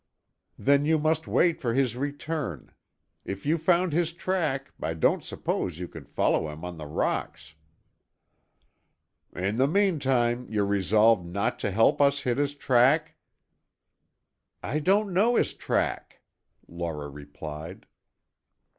"Then you must wait for his return. If you found his track, I don't suppose you could follow him on the rocks." "In the meantime, you're resolved not to help us hit his track?" "I don't know his track," Laura replied.